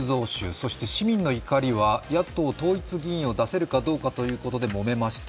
そして市民の怒りは野党統一議員を出せるかどうかということでもめました。